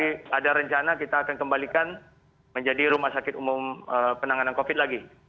nanti ada rencana kita akan kembalikan menjadi rumah sakit umum penanganan covid lagi